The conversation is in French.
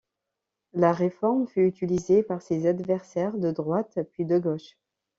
La réforme fut utilisée par ses adversaires de droite puis de gauche.